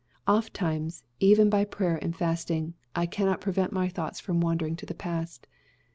Ofttimes, even by prayer and fasting, I cannot prevent my thoughts from wandering to the past.